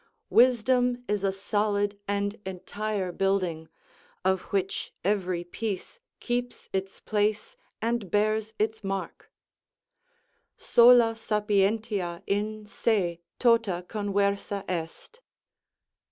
Wisdom is a solid and entire building, of which every piece keeps its place and bears its mark: "Sola sapientia in se tota conversa est."